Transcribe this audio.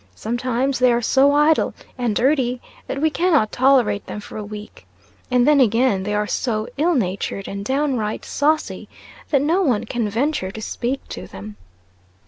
Sometimes they are so idle and dirty that we cannot tolerate them for a week. And then again they are so ill natured, and downright saucy, that no one can venture to speak to them."